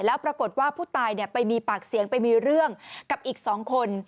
แล้วปรากฏว่าผู้ตายไปมีปากเสียงไปมีเรื่องกับอีก๒คน